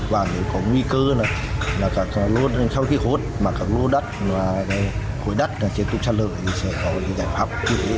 và nếu có nguy cơ là các lỗ đất khối đất trên khu sát lở thì sẽ có giải pháp